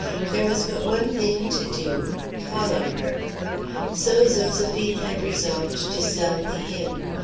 There was but one thing to do: follow her. So Zoséphine had resolved to sell the inn.